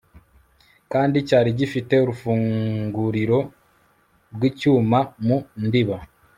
kandi cyari gifite urufunguriro rw'icyuma mu ndiba